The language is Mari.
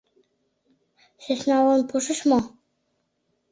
Сӧсналан пуышыч мо?